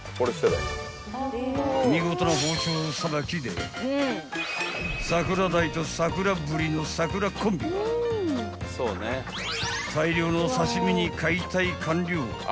［見事な包丁さばきで桜鯛と桜ぶりの桜コンビが大量の刺し身に］